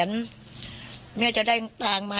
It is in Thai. สงสันหนูเนี่ยว่าสงสันหนูเนี่ยมีกระทิแววออกได้จังไหน